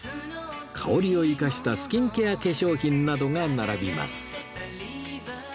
香りを生かしたスキンケア化粧品などが並びます